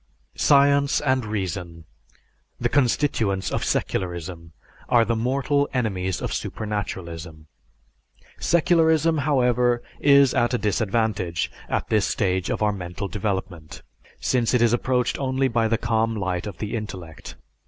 Science and reason, the constituents of secularism, are the mortal enemies of supernaturalism. Secularism, however, is at a disadvantage at this stage of our mental development, since it is approached only by the calm light of the intellect.